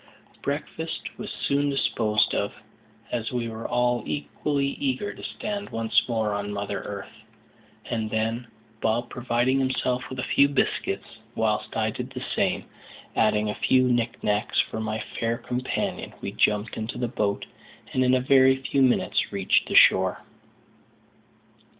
Breakfast was soon disposed of, as we were all equally eager to stand once more on mother earth; and then, Bob providing himself with a few biscuits, whilst I did the same, adding a few knick knacks for my fair companion, we jumped into the boat, and in a very few minutes reached the shore.